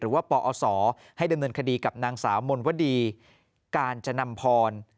ว่าปอศให้ดำเนินคดีกับนางสาวมนวดีกาญจนำพร